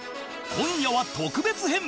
今夜は特別編